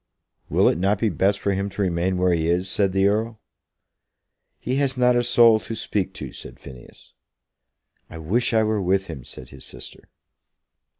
"Will it not be best for him to remain where he is?" said the Earl. "He has not a soul to speak to," said Phineas. "I wish I were with him," said his sister.